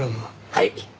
はい。